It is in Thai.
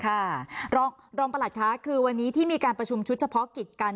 ค่ะรองประหลัดค่ะคือวันนี้ที่มีการประชุมชุดเฉพาะกิจกัน